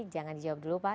jangan dijawab dulu pak